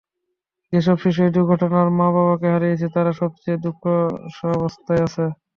যেসব শিশু এই দুর্ঘটনায় মা বাবাকে হারিয়েছে তারা সবচেয়ে দুঃসহ অবস্থায় রয়েছে।